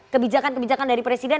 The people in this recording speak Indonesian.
kebijakan kebijakan dari presiden